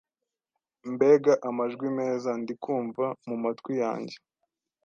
Mbega amajwi meza ndikumva mumatwi yanjye